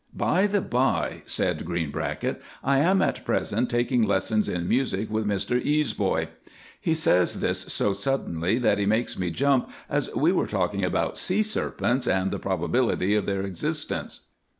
"By the bye," said Greenbracket, "I am at present taking lessons in music with Mr Easeboy." He says this so suddenly that he makes me jump, as we were talking about sea serpents and the probability of their existence.